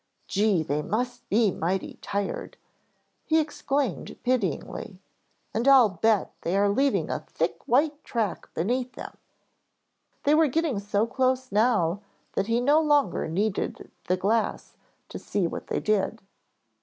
"Gee, they must be mighty tired," he exclaimed pityingly, "and I'll bet they are leaving a thick white track beneath them." They were getting so close now that he no longer needed the glass to see what they did.